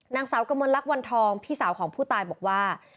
นางสาวกมลลักษวันทองพี่สาวของผู้ตายบอกว่า